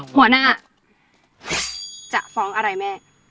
หัวหน้าจะฟ้องอะไรแม่